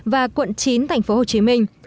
và quận chín thành phố hồ chí minh